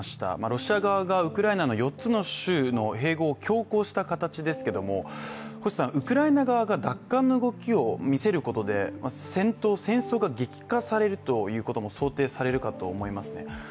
ロシア側がウクライナの４つの州の併合を強行した形ですけどもウクライナ側が奪還の動きを見せることで戦闘、戦争が激化されることが想定されるかと思いますね。